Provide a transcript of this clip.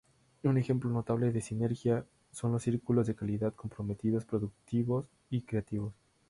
Un ejemplo notable de sinergia son los círculos de calidad comprometidos, productivos y creativos.